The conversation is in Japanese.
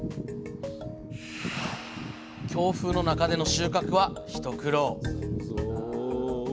強風の中での収穫は一苦労。